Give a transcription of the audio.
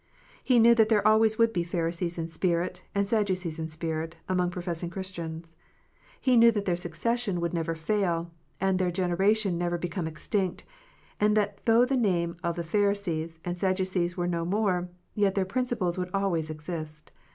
He knew that there always would be Pharisees in spirit, and Sadducees in spirit, among professing Christians. He knew that their succession would never fail, and their generation never become extinct, and that though the names of Pharisees and Sadducees were no more, yet their principles would always exist.